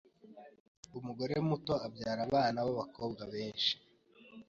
Umugore muto abyara abana babakobwa benshi